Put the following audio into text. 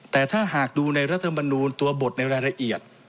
แต่ถ้าหากดูในรัฐมนูลตัวบทในรายละเอียด